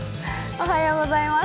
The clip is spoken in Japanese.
おはようございます。